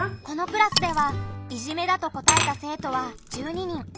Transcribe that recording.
このクラスではいじめだと答えた生徒は１２人。